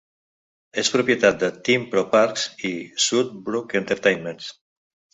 És propietat de Team Pro Parks i South Brook Entertainment.